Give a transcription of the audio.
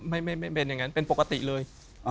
ไม่เป็นอย่างนั้นเป็นปกติเลย